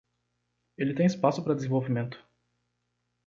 Ele tem espaço para desenvolvimento